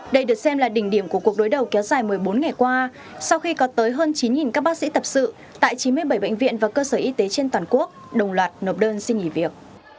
đây được xem là đỉnh điểm của cuộc đối đầu kéo dài một mươi bốn ngày qua sau khi có tới hơn chín các bác sĩ tập sự tại chín mươi bảy bệnh viện và cơ sở y tế trên toàn quốc đồng loạt nộp đơn xin nghỉ việc